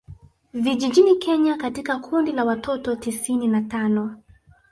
Vijijini Kenya katika kundi la watoto tisini na tano